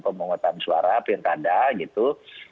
pemohon suara pindah tanda gitu